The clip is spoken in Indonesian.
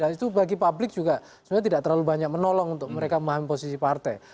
dan itu bagi publik juga sebenarnya tidak terlalu banyak menolong untuk mereka memahami posisi partai